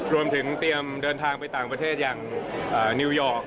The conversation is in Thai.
รวมถึงเตรียมเดินทางไปต่างประเทศอย่างนิวยอร์ก